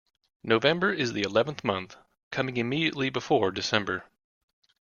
November is the eleventh month, coming immediately before December